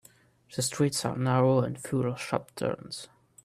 The streets are narrow and full of sharp turns.